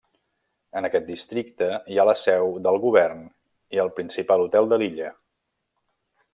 En aquest districte hi ha la seu del govern i el principal hotel de l'illa.